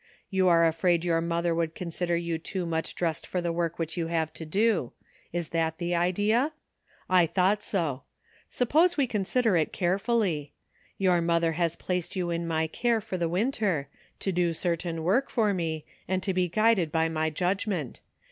'* You are afraid your mother would con sider you too much dressed for the work which you have to do. Is that the idea ? I thought so. Suppose we consider it carefully. Your mother has placed you in my care for the winter, to do certain work for me, and to be guided by my judgment.